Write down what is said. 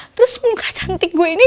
terus muka cantik gue ini